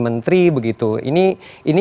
menteri begitu ini